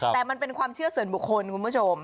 แต่มันเป็นความเชื่อส่วนบุคคลคุณผู้ชม